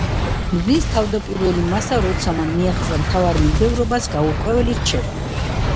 მზის თავდაპირველი მასა, როცა მან მიაღწია მთავარ მიმდევრობას, გაურკვეველი რჩება.